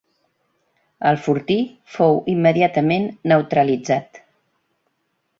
El fortí fou immediatament neutralitzat.